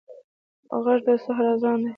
غږ د سحر اذان دی